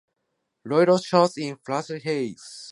Lollio shows in Franciscus.